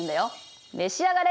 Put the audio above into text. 召し上がれ！